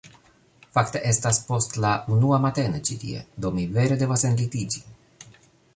Fakte estas post la unua matene ĉi tie, do mi vere devas enlitiĝi.